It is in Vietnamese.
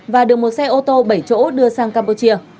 và được một xe ô tô bảy chỗ đưa sang campuchia